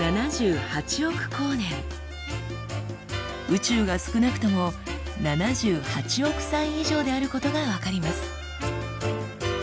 宇宙が少なくとも７８億歳以上であることが分かります。